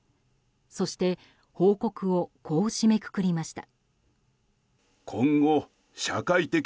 そして、報告をこう締めくくりました。